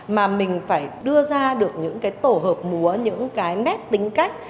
mà mình phải đưa ra được những cái tổ hợp múa những cái nét tính cách